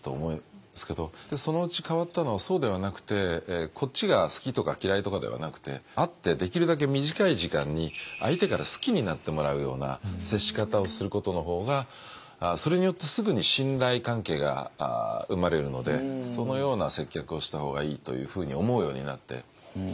そのうち変わったのはそうではなくてこっちが好きとか嫌いとかではなくて会ってできるだけ短い時間に相手から好きになってもらうような接し方をすることの方がそれによってすぐに信頼関係が生まれるのでそのような接客をした方がいいというふうに思うようになって。